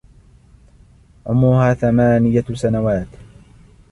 عمرها ثمانية سنوات.